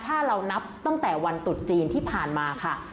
ถ้าเรานับตั้งแต่วันตุดจีนที่ผ่านมาค่ะ